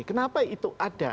kenapa itu ada